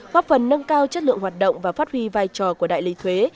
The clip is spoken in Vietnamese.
góp phần nâng cao chất lượng hoạt động và phát huy vai trò của đại lý thuế